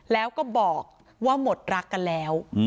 แล้วก็บอกว่าหมดรักกันแล้ว